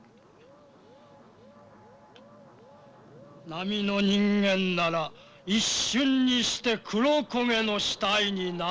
並の人間なら一瞬にして黒焦げの死体になる。